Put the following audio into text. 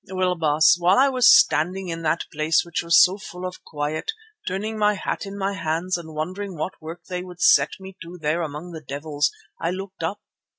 "Well, Baas, while I was standing in that place which was so full of quiet, turning my hat in my hands and wondering what work they would set me to there among the devils, I looked up.